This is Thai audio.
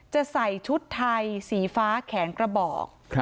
จะใส่ชุดไทยสีฟ้าแขนกระบอก